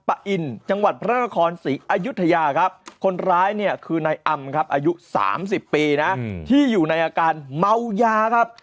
อายุ๓๐ปีนะที่อยู่ในอาการเมาหย่าครับ